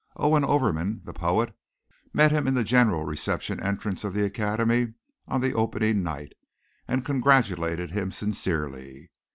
Owen Overman, the poet, met him in the general reception entrance of the Academy on the opening night, and congratulated him sincerely.